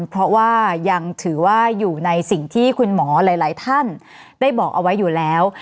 เพราะว่ายังถือว่าอยู่ในสิ่งที่คุณหมอหลายท่านได้บอกเอาไว้อยู่แล้ว